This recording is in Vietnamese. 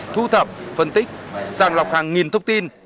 thu thập phân tích sàng lọc hàng nghìn thông tin